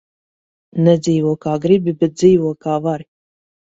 Nedzīvo, kā gribi, bet dzīvo, kā vari.